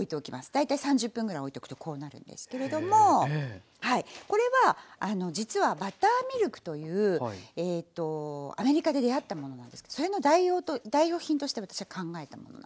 大体３０分ぐらいおいとくとこうなるんですけれどもこれは実はバターミルクというアメリカで出会ったものなんですけどそれの代用品として私が考えたものなんですね。